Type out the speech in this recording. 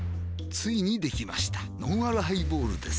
ついにできましたのんあるハイボールです